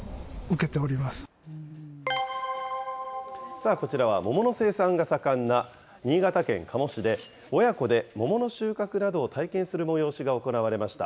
さあ、こちらは桃の生産が盛んな新潟県加茂市で、親子で桃の収穫などを体験する催しが行われました。